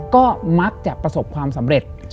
ก็มักจะประสบความสำเร็จ